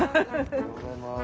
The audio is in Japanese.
おはようございます。